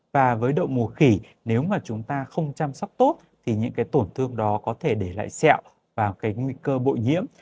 và với độ mù khỉ nếu mà chúng ta không chăm sóc tốt thì những cái tổn thương đó có thể để lại sẹo vào cái nguy cơ bội nhiễm